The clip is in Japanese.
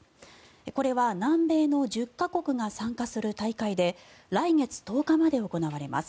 これは南米の１０か国が参加する大会で来月１０日まで行われます。